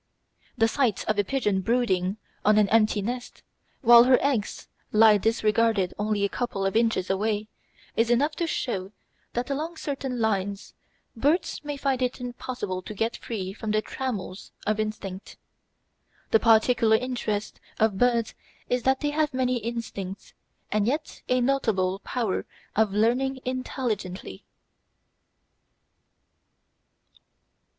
The sight of a pigeon brooding on an empty nest, while her two eggs lie disregarded only a couple of inches away, is enough to show that along certain lines birds may find it impossible to get free from the trammels of instinct. The peculiar interest of birds is that they have many instincts and yet a notable power of learning intelligently.